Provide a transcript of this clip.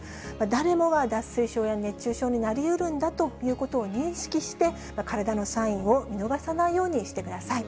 誰もが脱水症や熱中症になりうるんだということを認識して、体のサインを見逃さないようにしてください。